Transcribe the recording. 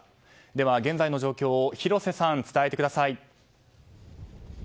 では現在の状況を広瀬さん、伝えてください。